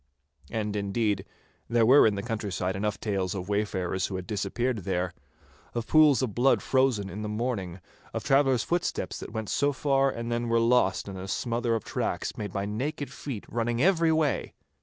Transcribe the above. And, indeed, there were in the countryside enough tales of wayfarers who had disappeared there, of pools of blood frozen in the morning, of traveller's footsteps that went so far and then were lost in a smother of tracks made by naked feet running every way.